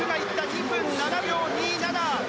２分７秒２７。